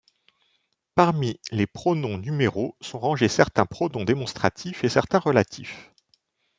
Parmi les pronoms numéraux sont rangés certains pronoms démonstratifs et certains relatifs.